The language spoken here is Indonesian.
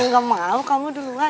enggak mau kamu duluan